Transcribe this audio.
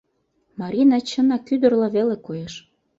Марина чынак ӱдырла веле коеш.